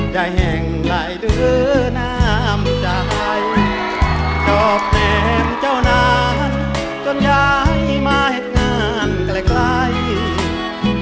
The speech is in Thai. ใจแห่งไหลเดอร์น้ำใจจบแนมเจ้านานจนย้ายมาเหตุงานใกล้